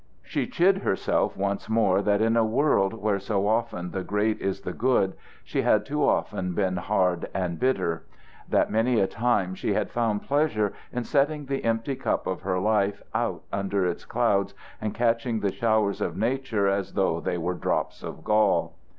She chid herself once more that in a world where so often the great is the good she had too often been hard and bitter; that many a time she had found pleasure in setting the empty cup of her life out under its clouds and catching the showers of nature as though they were drops of gall.